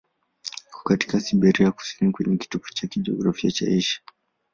Iko katika Siberia ya kusini, kwenye kitovu cha kijiografia cha Asia.